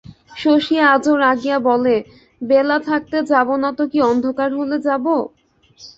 শশী আজও রাগিয়া বলে, বেলা থাকতে যাব না তো কি অন্ধকার হলে যাব?